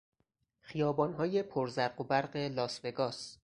خیابانهای پر زرق و برق لاسوگاس